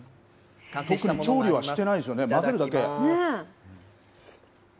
調理もしてないですよね混ぜるだけ。